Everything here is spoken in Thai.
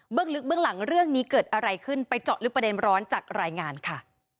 ลึกเบื้องหลังเรื่องนี้เกิดอะไรขึ้นไปเจาะลึกประเด็นร้อนจากรายงานค่ะ